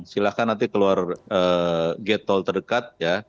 silahkan nanti keluar gate tol terdekat ya